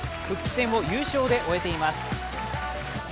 復帰戦を優勝で終えています。